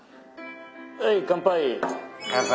はい乾杯。